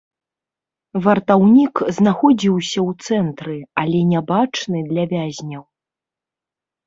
Вартаўнік знаходзіўся ў цэнтры, але нябачны для вязняў.